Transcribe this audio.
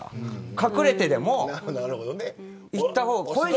隠れてでも行った方が。